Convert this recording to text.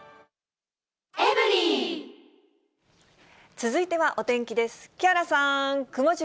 続いてはお天気です。